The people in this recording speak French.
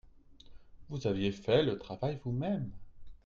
Vous aviez fait le travail vous-mêmes.